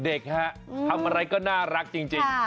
เด็กฮะทำอะไรก็น่ารักจริง